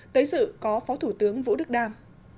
tới sự có phó thủ tướng vũ đức đam